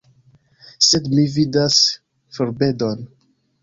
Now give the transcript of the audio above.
Sed mi vidas florbedon.